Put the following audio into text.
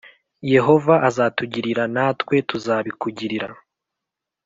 Yehova azatugirira natwe tuzabikugirira